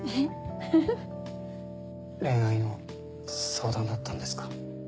恋愛の相談だったんですか？